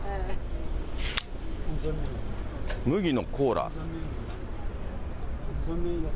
麦のコーラ。